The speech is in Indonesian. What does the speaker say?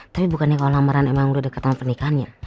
tapi bukannya kalau lamaran emang udah deketan pernikahannya